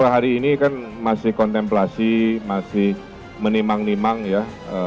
hari ini kan masih kontemplasi masih menimang nimang ya